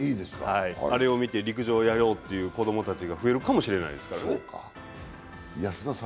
あれを見て陸上をやろうと思う子供たちが増えるかもしれない。